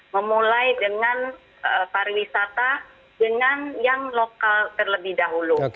memulai dengan pariwisata dengan yang lokal terlebih dahulu